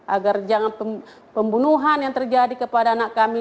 agar jangan pembunuhan yang terjadi kepada anak kami